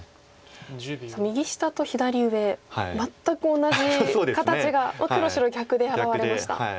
右下と左上全く同じ形が黒白逆で現れました。